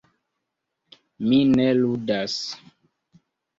Mi ne ludas.